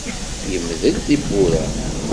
Yemdel tiwwura.